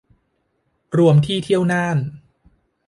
รวมที่เที่ยวน่าน